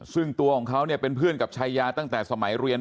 ซึ่งตัวของเขาเนี่ยเป็นเพื่อนกับชายาตั้งแต่สมัยเรียน